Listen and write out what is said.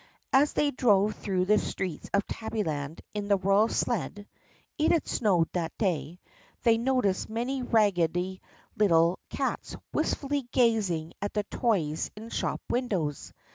As they drove through the streets of Tabbyland in the royal sled (it had snowed that day) they noticed many raggedy little cats wistfully gazing at the toys in shop windows.